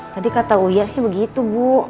tadi kata uya sih begitu bu